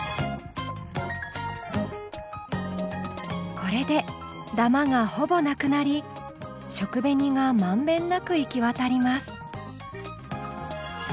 これでだまがほぼなくなり食紅が満遍なく行き渡ります。